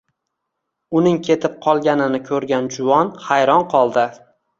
Uning ketib qolganini koʻrgan juvon hayron qoldi